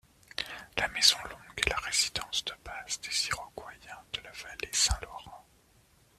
La maison-longue est la résidence de base des Iroquoiens de la vallée du Saint-Laurent.